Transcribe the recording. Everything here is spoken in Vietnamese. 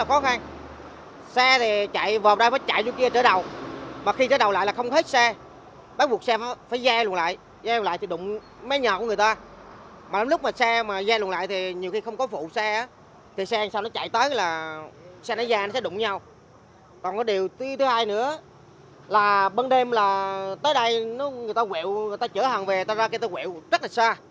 còn điều thứ hai nữa là bấn đêm là tới đây người ta quẹo người ta chở hàng về người ta ra kia người ta quẹo rất là xa